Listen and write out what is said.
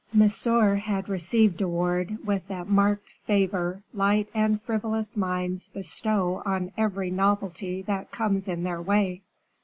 Monsieur had received De Wardes with that marked favor light and frivolous minds bestow on every novelty that comes in their way.